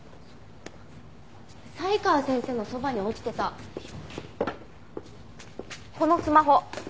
才川先生のそばに落ちてたこのスマホ。